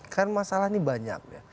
kan masalah ini banyak